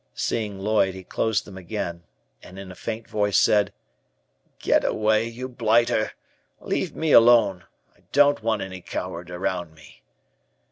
Seeing Lloyd, he closed them again, and in a faint voice said: "Get away, you blighter, leave me alone. I don't want any coward around me."